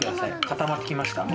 固まってきました。